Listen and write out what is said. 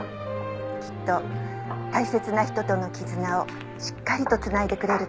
「きっと大切な人との絆をしっかりと繋いでくれると思います」